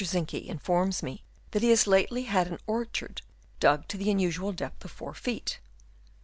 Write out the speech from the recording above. Zincke informs me that he has lately had an orchard dug to the unusual depth of 4 feet.